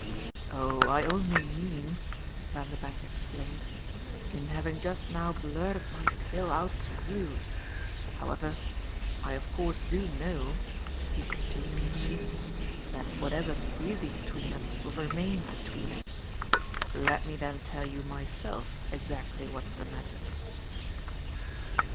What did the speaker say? "Oh I only mean," Vanderbank explained, "in having just now blurted my tale out to you. However, I of course do know," he pursued to Mitchy, "that whatever's really between us will remain between us. Let me then tell you myself exactly what's the matter."